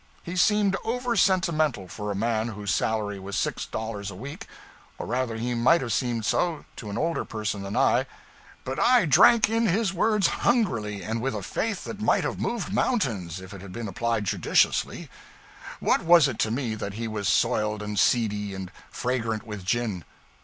He seemed over sentimental for a man whose salary was six dollars a week or rather he might have seemed so to an older person than I. But I drank in his words hungrily, and with a faith that might have moved mountains if it had been applied judiciously. What was it to me that he was soiled and seedy and fragrant with gin?